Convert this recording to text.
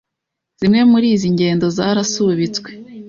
zimwe muri izi ngendo zarasubitswe